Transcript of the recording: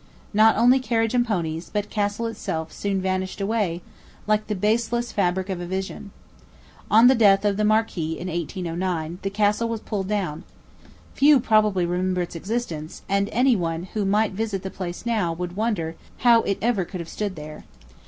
Not only carriage and ponies, but castle itself, soon vanished away, 'like the baseless fabric of a vision.' On the death of the Marquis in 1809, the castle was pulled down. Few probably remember its existence; and any one who might visit the place now would wonder how it ever could have stood there.